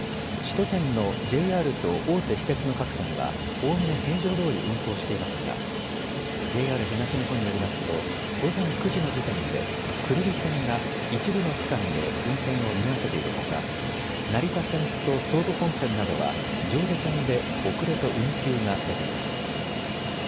首都圏のＪＲと大手私鉄の各線はおおむね平常どおり運行していますがＪＲ東日本によりますと午前９時の時点で久留里線が一部の区間で運転を見合わせているほか成田線と総武本線などは上下線で遅れと運休が出ています。